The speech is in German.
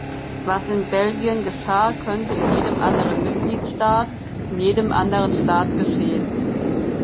Was in Belgien geschah, könnte in jedem anderen Mitgliedstaat, in jedem anderen Staat geschehen.